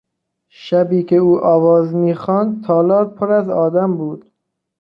شبی که او آواز میخواند تالار پر از آدم بود.